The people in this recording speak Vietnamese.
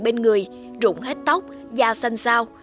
bên người rụng hết tóc da xanh sao